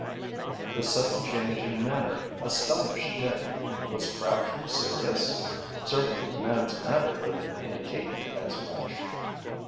This sudden change in manner astonished Dick. Was Crabtree serious? Certainly the man's manner would indicate as much.